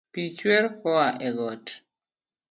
Pi chwer koya e got